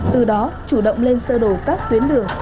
từ đó chủ động lên sơ đổ các tuyến đường